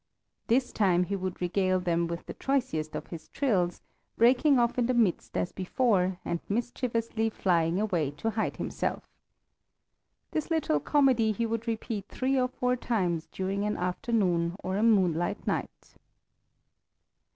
This time he would regale them with the choicest of his trills, breaking off in the midst as before and mischievously flying away to hide himself. This little comedy he would repeat three or four times during an afternoon or a moonlight night.